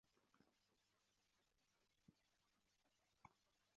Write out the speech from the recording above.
Shindano hili Mwanamalundi alishinda.